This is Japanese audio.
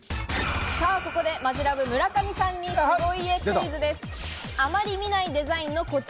ここでマヂラブ・村上さんに凄家クイズです。